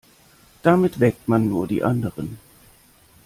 Damit weckt man nur die anderen.